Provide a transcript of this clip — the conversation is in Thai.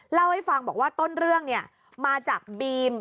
เล่าให้ฟังบอกว่าต้นเรื่องมาจากบีม